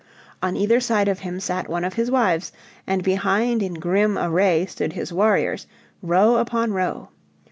On either side of him sat one of his wives and behind in grim array stood his warriors, row upon row.